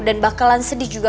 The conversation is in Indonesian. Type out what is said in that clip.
dan bakalan sedih juga